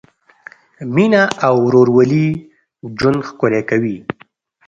مینه او ورورولي ژوند ښکلی کوي.